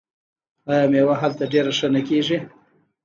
آیا میوه هلته ډیره ښه نه کیږي؟